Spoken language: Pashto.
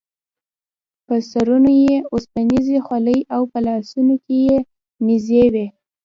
په سرونو یې اوسپنیزې خولۍ او په لاسونو کې یې نیزې وې.